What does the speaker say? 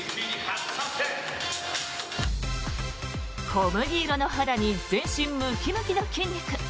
小麦色の肌に全身ムキムキの筋肉。